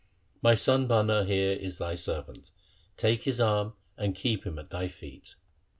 My son Bhana here is thy servant : take his arm and keep him at thy feet.'